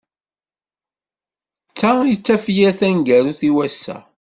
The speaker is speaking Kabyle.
D ta i d tafyirt taneggarut i wass-a.